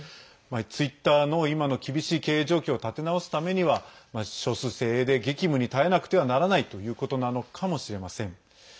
ツイッターの今の厳しい経営状況を立て直すためには少数精鋭で激務に耐えなくてはならないということなのかもしれません。